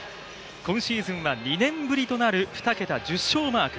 今シーズンは２年ぶりとなる２桁１０勝をマーク。